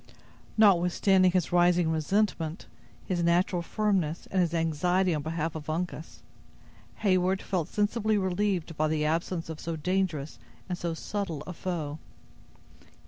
Notwithstanding his rising resentment, his natural firmness, and his anxiety on behalf of Uncas, Heyward felt sensibly relieved by the absence of so dangerous and so subtle a foe.